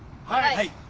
はい